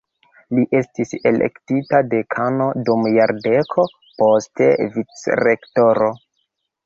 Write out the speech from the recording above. Li estis elektita dekano dum jardeko, poste vicrektoro.